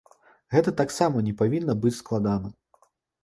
Гэта таксама не павінна быць складана.